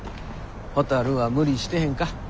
ほたるは無理してへんか？